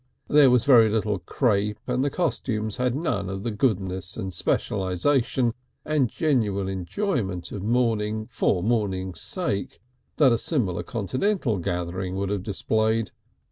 There was very little crape, and the costumes had none of the goodness and specialisation and genuine enjoyment of mourning for mourning's sake that a similar continental gathering would have displayed.